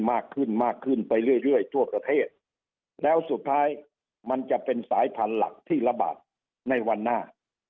มากขึ้นมากขึ้นไปเรื่อยทั่วประเทศแล้วสุดท้ายมันจะเป็นสายพันธุ์หลักที่ระบาดในวันหน้า